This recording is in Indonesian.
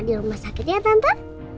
di rumah sakit ya tante